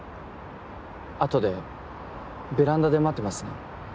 後でベランダで待ってますね。